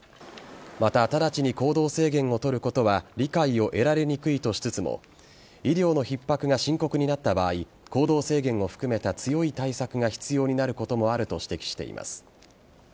また、直ちに行動制限を取ることは理解を得られにくいとしつつも医療のひっ迫が深刻になった場合行動制限を含めた強い対策が必要になることもあると指摘しています。